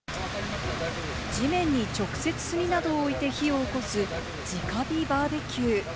地面に直接炭などを置いて火をおこす直火バーベキュー。